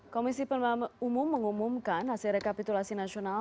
komisi pemilihan umum mengumumkan hasil rekapitulasi nasional